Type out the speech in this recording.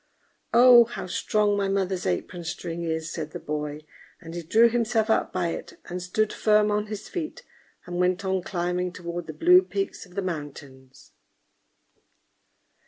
"Oh! how strong my mother's apron string is!" said the boy: and he drew himself up by it, and stood firm on his feet, and went on climbing toward the blue peaks of the mountains.